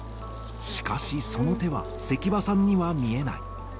しかしその手は関場さんには見えない。